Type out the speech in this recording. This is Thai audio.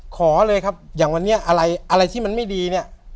ขอเลยครับอย่างวันนี้อะไรอะไรที่มันไม่ดีเนี่ย